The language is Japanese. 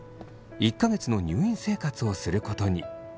１か月の入院生活をすることに。